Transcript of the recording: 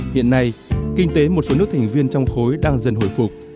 hiện nay kinh tế một số nước thành viên trong khối đang dần hồi phục